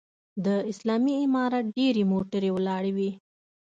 د اسلامي امارت ډېرې موټرې ولاړې وې.